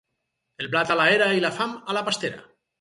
El blat a l'era i la fam a la pastera.